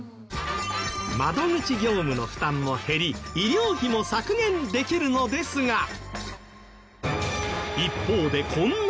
窓口業務の負担も減り医療費も削減できるのですが。